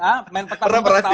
ha main petak umpet